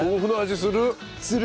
する！